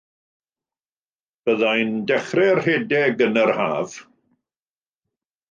Bydda i'n dechrau rhedeg yn yr haf.